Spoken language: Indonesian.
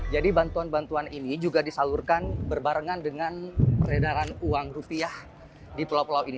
jadi bantuan bantuan ini juga disalurkan berbarengan dengan peredaran uang rupiah di pulau pulau ini